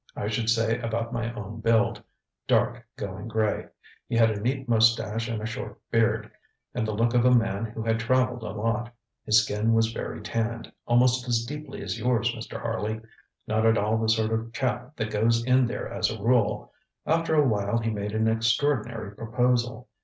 I should say about my own build; dark, going gray. He had a neat moustache and a short beard, and the look of a man who had travelled a lot. His skin was very tanned, almost as deeply as yours, Mr. Harley. Not at all the sort of chap that goes in there as a rule. After a while he made an extraordinary proposal.